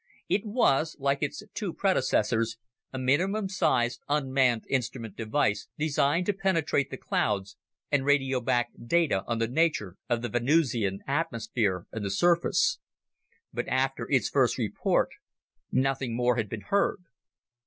It was, like its two predecessors, a minimum sized, unmanned instrument device designed to penetrate the clouds and radio back data on the nature of the Venusian atmosphere and the surface. But after its first report, nothing more had been heard.